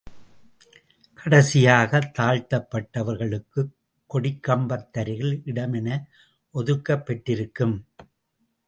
கடைசியாகத் தாழ்த்தப் பட்டவர்களுக்குக் கொடிக் கம்பத்தருகில் இடம் என ஒதுக்கப் பெற்றிருக்கும்.